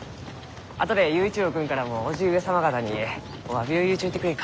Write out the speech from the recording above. あとで佑一郎君からも叔父上様方におわびを言うちょいてくれんか？